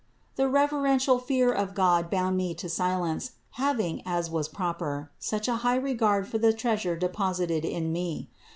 The reverential fear of God bound me to silence, having (as was proper) such a high regard for the Treasure deposited in me.